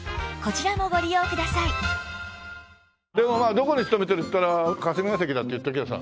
どこに勤めてるって言ったら霞ケ関だって言っとけばさ。